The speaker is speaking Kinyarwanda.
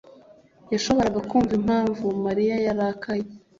yashoboraga kumva impamvu Mariya yarakaye.